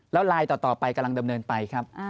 แล้วลายต่อไปกำลังดำเนินไปครับ